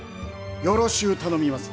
よろしう頼みます。